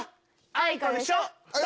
あいこでしょ！